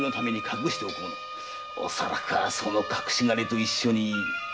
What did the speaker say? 恐らくはその隠し金と一緒に。